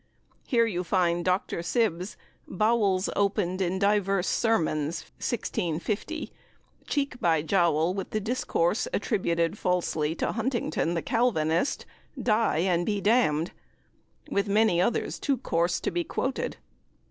Here you find Dr. Sib's "Bowels opened in Divers Sermons," 1650, cheek by jowl with the discourse attributed falsely to Huntington, the Calvinist, "Die and be damned," with many others too coarse to be quoted.